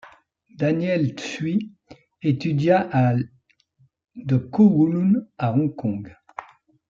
Daniel Tsui étudia à l' de Kowloon à Hong Kong.